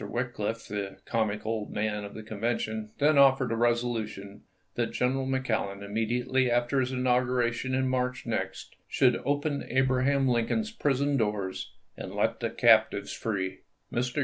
"Wickliffe, the comic old man of the Convention, then offered a resolu tion that General McClellan, immediately after his inauguration in March next, should " open Abra ham Lincoln's prison doors and let the captives free." Mr.